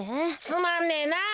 つまんねえなあ。